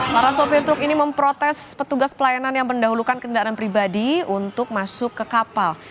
para sopir truk ini memprotes petugas pelayanan yang mendahulukan kendaraan pribadi untuk masuk ke kapal